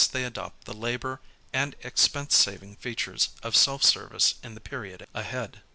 they adopt the labor and expense saving features of self service in the period ahead.